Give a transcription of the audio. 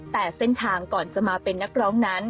แต่เส้นทางก่อนจะมาเป็นนักร้องนั้น